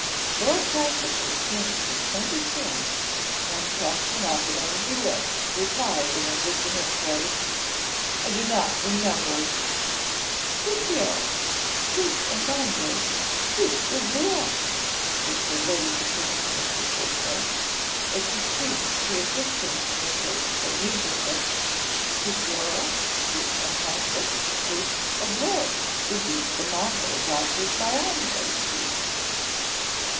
Lord Castlefort pinched his pointed chin, and casting up an angry look, replied in a dissonant voice, "I do not remember!" "Tout voir, tout entendre, tout oublier," whispered Lady Katrine to Mr. Churchill, as she stooped to assist him in the search for a music book "Tout voir, tout entendre, tout oublier, should be the motto adopted by all married people."